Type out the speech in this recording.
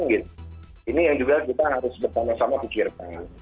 ini yang juga kita harus bersama sama pikirkan